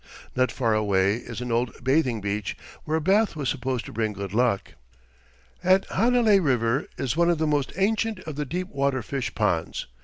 Not far away is an old bathing beach, where a bath was supposed to bring good luck. At Hanalei River is one of the most ancient of the deep water fish ponds.